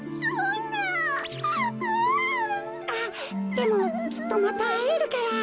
でもきっとまたあえるから。